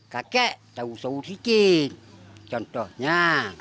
kakek tahu seutik contohnya